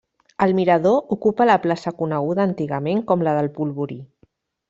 El mirador ocupa la plaça coneguda antigament com la del Polvorí.